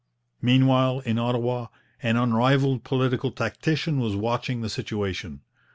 Meanwhile, in Ottawa, an unrivalled political tactician was watching the situation.